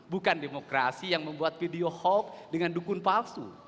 bukan demokrasi yang membuat video hoax dengan dukun palsu